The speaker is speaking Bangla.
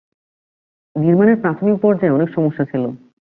নির্মাণের প্রাথমিক পর্যায়ে অনেক সমস্যা ছিল।